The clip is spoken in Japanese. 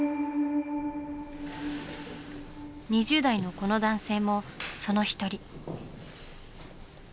２０代のこの男性もその一人。